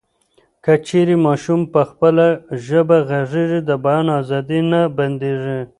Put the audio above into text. که چیري ماشوم په خپله ژبه غږېږي، د بیان ازادي یې نه بندېږي.